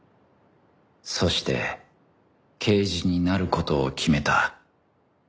そして刑事になる事を決めた